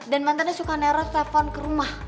dan mantannya suka nerot nerot telfon ke rumah